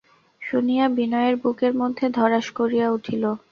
শুনিয়া বিনয়ের বুকের মধ্যে ধড়াস করিয়া উঠিল।